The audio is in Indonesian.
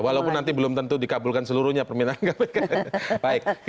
walaupun nanti belum tentu dikabulkan seluruhnya permintaan kpk